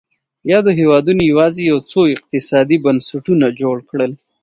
یادو هېوادونو یوازې یو څو اقتصادي بنسټونه جوړ کړل.